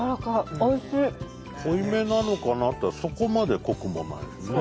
濃いめなのかなっつったらそこまで濃くもないんですね。